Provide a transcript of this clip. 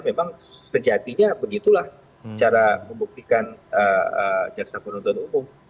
memang sejatinya begitulah cara membuktikan jaksa penuntut umum